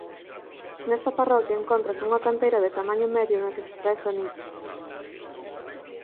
Nesta parroquia encóntrase unha canteira de tamaño medio na que se extrae granito.